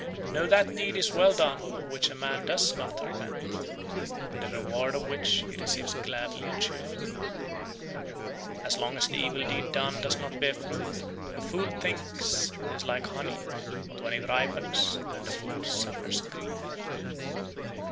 68. No, that deed is well done of which a man does not repent, and the reward of which he receives gladly and cheerfully. 69. As long as the evil deed done does not bear fruit, the fool thinks it is like honey; but when it ripens, then the fool suffers grief.